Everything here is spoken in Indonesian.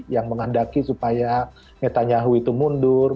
yang menghendaki supaya netanyahu itu mundur